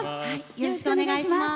よろしくお願いします。